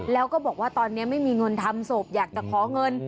แล้วก็บอกว่าตอนนี้ไม่มีเงินทำศพอยากจะขอเงิน